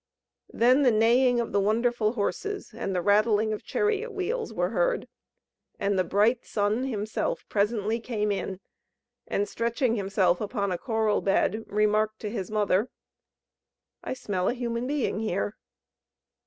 Then the neighing of the wonderful horses and the rattling of chariot wheels were heard, and the bright Sun himself presently came in, and stretching himself upon a coral bed, remarked to his mother: "I smell a human being here!"